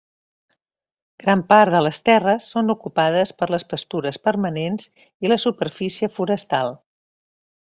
Gran part de les terres són ocupades per les pastures permanents i la superfície forestal.